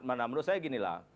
menurut saya ginilah